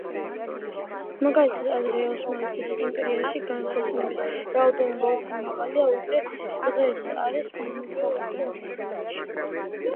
მაგალითად ადრეული ოსმალეთის იმპერიაში განქორწინების რაოდენობა უფრო მაღალია ვიდრე დღეს არის თანამედროვე ახლო აღმოსავლეთში.